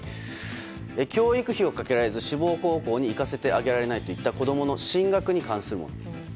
教育費をかけられず志望高校に行かせてあげられないといった子供の進学に関するもの。